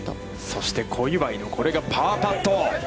そして小祝の、これがパーパット。